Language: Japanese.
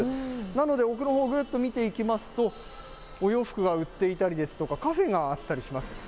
なので、奥のほうをぐーっと見ていきますと、お洋服が売っていたりですとか、カフェがあったりします。